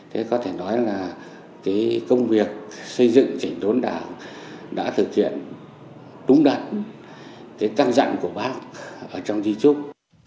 thế có thể nói là công việc xây dựng chỉnh đốn đảng đã thực hiện đúng đặt tăng dặn của bác trong di trúc